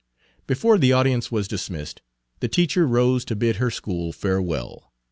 Page 165 Before the audience was dismissed, the teacher rose to bid her school farewell.